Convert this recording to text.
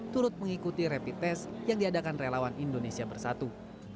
turut mengikuti repitest yang diadakan relawan indonesia bersatu